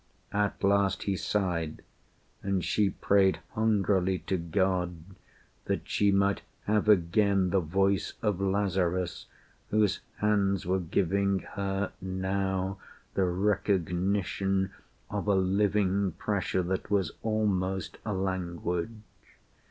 At last he sighed; and she prayed hungrily To God that she might have again the voice Of Lazarus, whose hands were giving her now The recognition of a living pressure That was almost a language.